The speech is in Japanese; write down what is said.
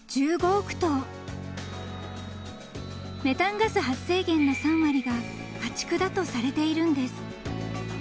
［メタンガス発生源の３割が家畜だとされているんです］